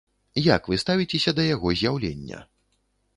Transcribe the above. Як вы ставіцеся да яго з'яўлення?